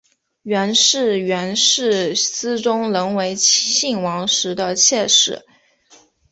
袁氏原是思宗仍为信王时的妾室。